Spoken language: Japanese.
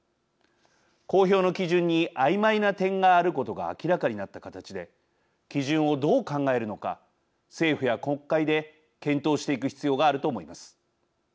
公表の基準にあいまいな点があることが明らかになった形で基準をどう考えるのか政府や国会で検討していく必要があると思います。